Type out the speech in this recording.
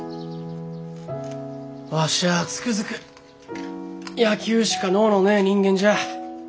わしゃあつくづく野球しか能のねえ人間じゃ。